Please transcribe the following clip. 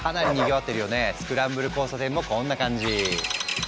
スクランブル交差点もこんな感じ。